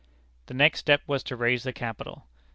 The next step was to raise the capital.